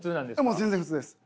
もう全然普通です。